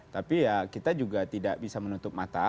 tapi ya kita juga tidak bisa menutup mata